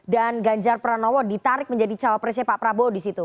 dan ganjar pranowo ditarik menjadi cawapresnya pak prabowo disini